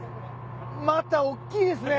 また大っきいですね。